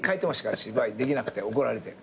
芝居できなくて怒られて。